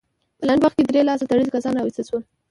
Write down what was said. په لنډ وخت کې درې لاس تړلي کسان راوستل شول.